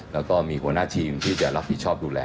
แล้วก็มีหัวหน้าทีมที่จะรับผิดชอบดูแล